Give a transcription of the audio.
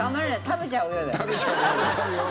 「食べちゃうよ」だよ。